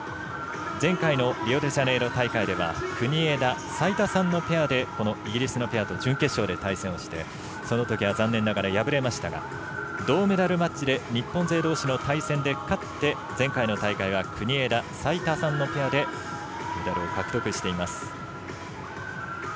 前回のリオデジャネイロ大会では国枝、齋田さんのベアでこのイギリスのペアと準決勝で対戦してそのときは残念ながら敗れましたが銅メダルマッチで日本勢どうしの対戦でかって、前回の大会は国枝、齋田さんのペアでメダルを獲得しています。